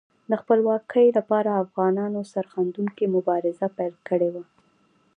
د خپلواکۍ لپاره افغانانو سرښندونکې مبارزه پیل کړې وه.